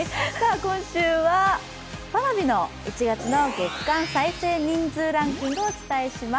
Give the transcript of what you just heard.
今週はＰａｒａｖｉの１月の月間再生人数ランキングをお伝えします。